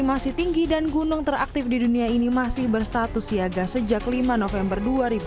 masih tinggi dan gunung teraktif di dunia ini masih berstatus siaga sejak lima november dua ribu dua puluh